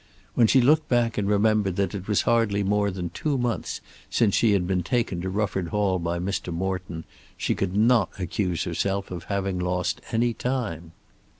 When she looked back and remembered that it was hardly more than two months since she had been taken to Rufford Hall by Mr. Morton she could not accuse herself of having lost any time.